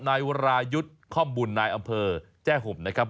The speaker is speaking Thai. นายวรายุทธ์ค่อมบุญนายอำเภอแจ้ห่มนะครับ